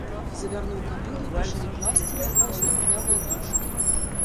Завярнуў кабылу і пачалі класці на воз трухлявыя дошкі.